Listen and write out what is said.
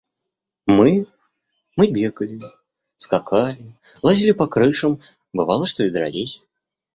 Мы?.. Мы бегали, скакали, лазили по крышам. бывало, что и дрались.